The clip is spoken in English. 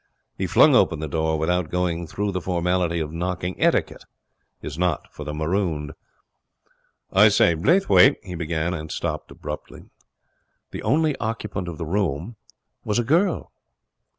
He flung open the door without going through the formality of knocking. Etiquette is not for the marooned. 'I say, Blaythwayt ' he began, and stopped abruptly. The only occupant of the room was a girl.